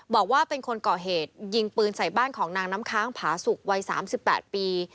บอกว่าเป็นคนก่อเหตุยิงปืนใส่บ้านของนางน้ำค้างผาสุกวัย๓๘ปี